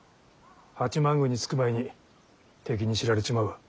八幡宮に着く前に敵に知られちまうわ。